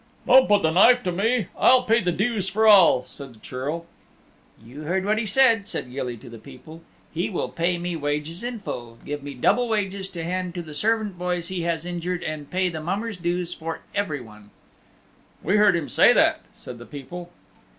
"Don't put the knife to me. I'll pay the dues for all," said the Churl. "You heard what he said," said Gilly to the people. "He will pay me wages in full, give me double wages to hand to the servant boys he has injured, and pay the mummers' dues for everyone." "We heard him say that," said the people.